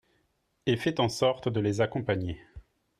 et fait en sorte de les accompagner.